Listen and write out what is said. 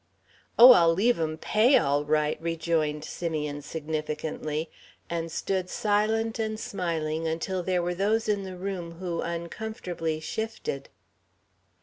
"Oh, I'll leave 'em pay all right," rejoined Simeon, significantly, and stood silent and smiling until there were those in the room who uncomfortably shifted.